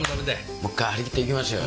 もう一回張り切っていきましょうよ。